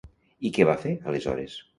I què va fer, aleshores?